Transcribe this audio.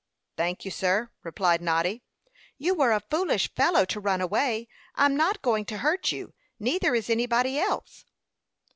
"Thank you, sir," replied Noddy. "You were a foolish fellow to run away. I'm not going to hurt you; neither is anybody else."